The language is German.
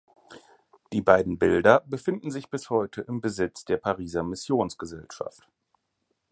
Die beiden Bilder befinden sich bis heute im Besitz der Pariser Missionsgesellschaft.